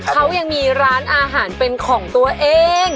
เขายังมีร้านอาหารเป็นของตัวเอง